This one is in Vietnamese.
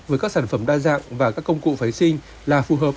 với các sản phẩm đa dạng và các công cụ phái sinh là phù hợp